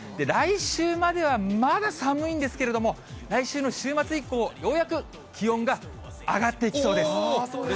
来週まではまだ寒いんですけれども、来週の週末以降、ようやく気そうですか。